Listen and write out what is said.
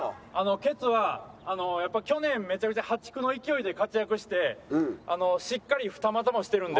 ケツはやっぱり去年めちゃめちゃ破竹の勢いで活躍してあのしっかり２股もしてるので。